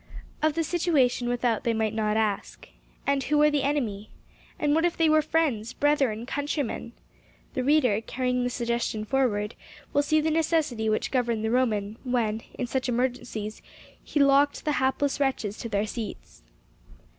Of the situation without they might not ask. And who were the enemy? And what if they were friends, brethren, countrymen? The reader, carrying the suggestion forward, will see the necessity which governed the Roman when, in such emergencies, he locked the hapless wretches to their seats.